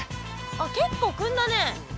あっ結構くんだね。